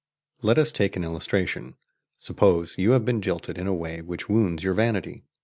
Let us take an illustration. Suppose you have been jilted in a way which wounds your vanity.